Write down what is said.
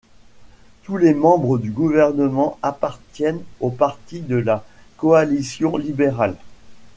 Tous les membres du gouvernement appartiennent au Parti de la coalition libérale.